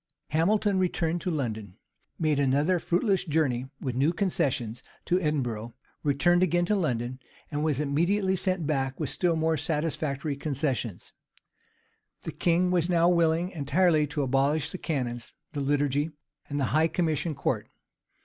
[] Hamilton returned to London; made another fruitless journey, with new concessions, to Edinburgh; returned again to London; and was immediately sent back with still more satisfactory concessions. The king was now willing entirely to abolish the canons, the liturgy, and the high commission court.